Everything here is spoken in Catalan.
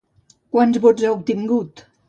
Quants vots ha obtingut?